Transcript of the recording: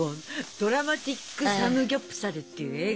「ドラマティックサムギョプサル」っていう映画。